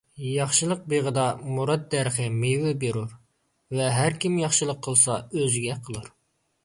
ياخشىلىق بېغىدا مۇراد دەرىخى مېۋە بېرۇر ۋە ھەر كىم ياخشىلىق قىلسا ئۆزىگە قىلۇر.